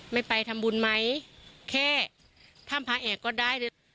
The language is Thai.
ไม่ไปทำบุญไหมแค่ทำพาแอกก็ได้เลย